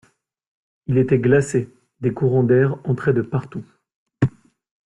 Il était glacé, des courants d’air entraient de partout.